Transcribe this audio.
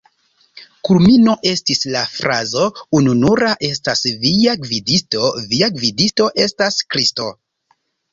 Kulmino estis la frazo: "Ununura estas via gvidisto, via gvidisto estas Kristo.